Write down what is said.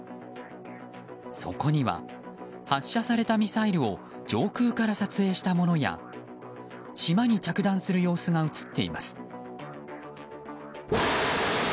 そこには発射されたミサイルを上空から撮影したものや島に着弾する様子が映っています。